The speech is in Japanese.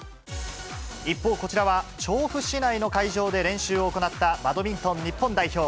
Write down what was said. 一方、こちらは調布市内の会場で練習を行ったバドミントン日本代表。